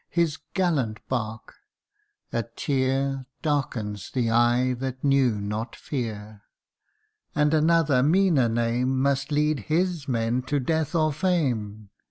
his gallant bark ! a tear Darkens the eye that knew not fear. And another meaner name Must lead his men to death or fame